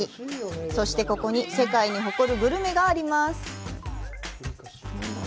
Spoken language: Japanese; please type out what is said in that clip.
そして、ここに世界に誇るグルメがあります。